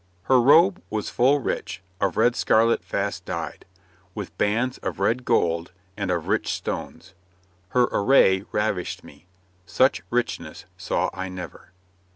Her robe was full rich, of red scarlet fast dyed, With bands of red gold and of rich stones; Her array ravished me, such richness saw I never.'